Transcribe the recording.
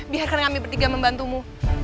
biarkan kami bertiga membantumu